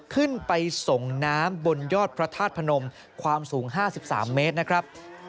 ขึ้นไปส่งน้ำบนยอดพระธาตุพนมความสูง๕๓เมตรนะครับ